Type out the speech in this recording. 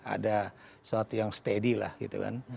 ada suatu yang steady lah gitu kan